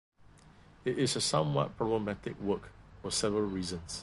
It is a somewhat problematic work for several reasons.